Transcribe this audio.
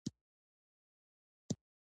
• رښتینی انسان د تل لپاره یادېږي.